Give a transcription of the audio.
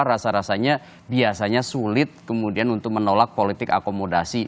rasa rasanya biasanya sulit kemudian untuk menolak politik akomodasi